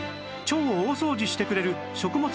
腸を大掃除してくれる食物